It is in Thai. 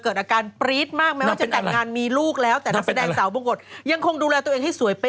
เขาเรียกว่าเข้ามาคอมเมนต์กันเพียบ